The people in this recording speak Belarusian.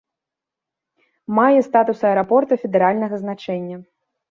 Мае статус аэрапорта федэральнага значэння.